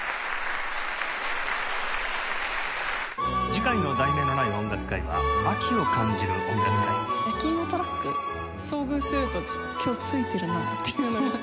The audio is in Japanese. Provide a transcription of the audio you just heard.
次回の『題名のない音楽会』は「秋を感じる音楽会」焼きいもトラック遭遇すると今日ついてるなって。